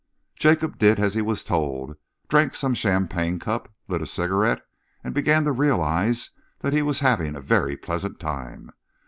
Jacob did as he was told, drank some champagne cup, lit a cigarette, and began to realise that he was having a very pleasant time.